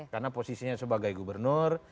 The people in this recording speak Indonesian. karena posisinya sebagai gubernur